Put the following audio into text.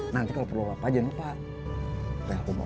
nanti kalau perlu apa jangan lupa